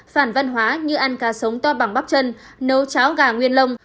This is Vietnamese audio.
phản văn hóa như ăn cá sống toa bằng bắp chân nấu cháo gà nguyên lông